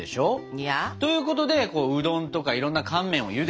いや？ということでうどんとかいろんな乾麺をゆでてたってこと。